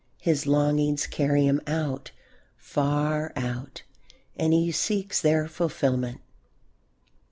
His longings carry him out, far out, and he seeks their fulfilment.